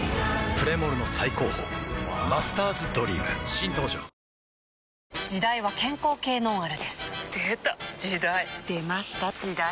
プレモルの最高峰「マスターズドリーム」新登場ワオ時代は健康系ノンアルですでた！時代！出ました！時代！